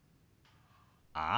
ああ。